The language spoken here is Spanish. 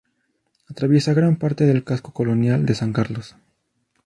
Atraviesa gran parte del Casco Colonial de San Carlos.